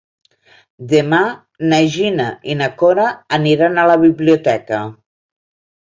Demà na Gina i na Cora aniran a la biblioteca.